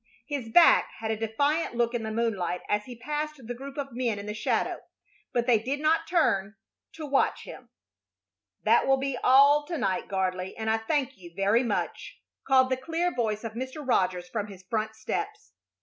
His back had a defiant look in the moonlight as he passed the group of men in the shadow; but they did not turn to watch him. "That will be all to night, Gardley, and I thank you very much," called the clear voice of Mr. Rogers from his front steps.